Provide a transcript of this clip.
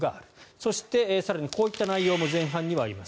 そして更にこういった内容も前半にはあります。